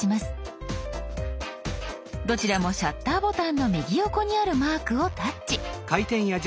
どちらもシャッターボタンの右横にあるマークをタッチ。